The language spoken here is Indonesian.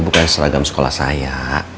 bukan seragam sekolah saya